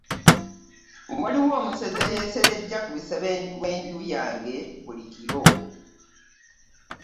Waliwo omusezi eyeserejja ku lusenju lwenju yange buli kiro.